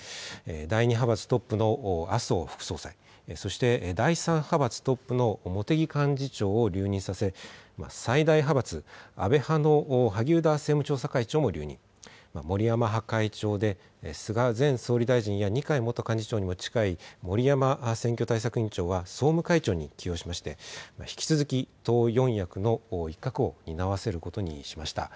第２派閥トップの麻生副総裁、そして第３派閥トップの茂木幹事長を留任させ、最大派閥、安倍派の萩生田政務調査会長も留任、森山派会長で菅前総理大臣や二階元幹事長にも近い森山選挙対策委員長は総務会長に起用しまして、引き続き党四役の一角を担わせることにしました。